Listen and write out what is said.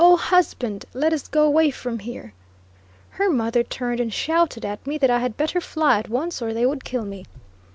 husband, let us go away from here." Her mother turned and shouted at me that I had better fly at once or they would kill me.